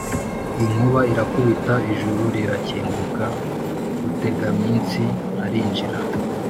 inkuba irakubita, ijuru rirakinguka rutegaminsi arinjira.